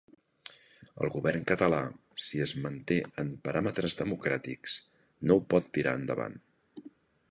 El govern català, si es manté en paràmetres democràtics, no ho pot tirar endavant.